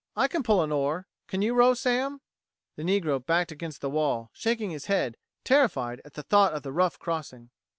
"I can pull an oar. Can you row, Sam?" The negro backed against the wall, shaking his head, terrified at the thought of the rough crossing.